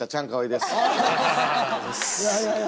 いやいやいや。